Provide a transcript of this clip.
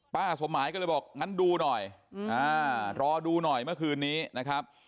ป้าสมหมายก็เลยบอกงั้นดูหน่อยรอดูหน่อยเมื่อคืนนี้นะครับ